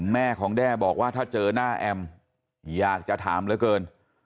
แม่ของแด้บอกว่าถ้าเจอหน้าแอมอยากจะถามเหลือเกิน